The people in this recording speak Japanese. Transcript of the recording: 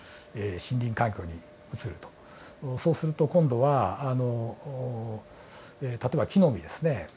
そうすると今度はあの例えば木の実ですね。